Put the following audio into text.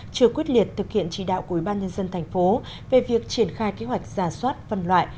chưa quyết liệt thực hiện chỉ đạo của ủy ban nhân dân thành phố về việc triển khai kế hoạch giả soát văn loại